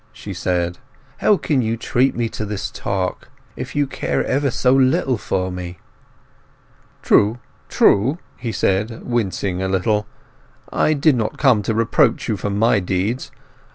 she said. "How—how can you treat me to this talk, if you care ever so little for me?" "True, true," he said, wincing a little. "I did not come to reproach you for my deeds.